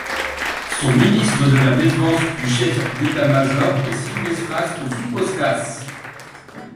Son ministre de la défense puis chef d'état-major est Silvestras Žukauskas.